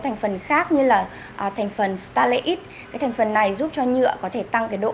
thành phần khác như là thành phần ta lấy ít cái thành phần này giúp cho nhựa có thể tăng cái độ